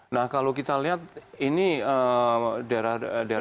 nah kalau kita lihat ini daerah daerah